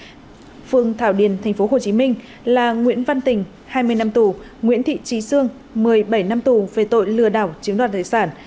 phương thảo điền tp hcm là nguyễn văn tình hai mươi năm tù nguyễn thị trí sương một mươi bảy năm tù về tội lừa đảo chiếm đoạt thời sản